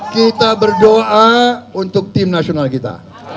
kita berdoa untuk tim nasional kita